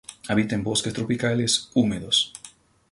Habita en bosques tropicales húmedos.